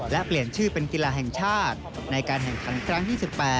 และเปลี่ยนชื่อเป็นกีฬาแห่งชาติในการแข่งขันครั้งที่๑๘